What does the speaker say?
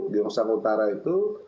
gyeongsang utara itu